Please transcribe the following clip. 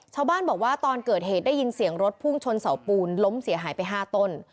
ชาวบ้านบอกว่าตอนเกิดเหตุได้ยินเสียงรถพุ่งชนเสาปูนล้มเสียหายไป๕ต้น